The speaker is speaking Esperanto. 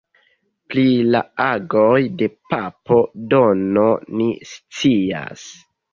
Pri la agoj de papo Dono ni scias preskaŭ nenion.